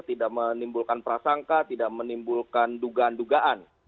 tidak menimbulkan prasangka tidak menimbulkan dugaan dugaan